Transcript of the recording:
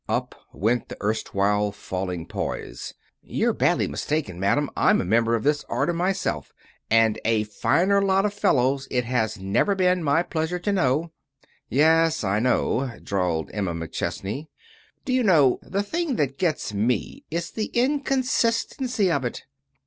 Up went the erstwhile falling poise. "You're badly mistaken, madam. I'm a member of this order myself, and a finer lot of fellows it has never been my pleasure to know." "Yes, I know," drawled Emma McChesney. "Do you know, the thing that gets me is the inconsistency of it.